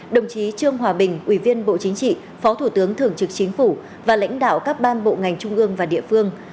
đồng chí trương hòa bình ủy viên bộ chính trị phó thủ tướng thường trực chính phủ và lãnh đạo các ban bộ ngành trung ương và địa phương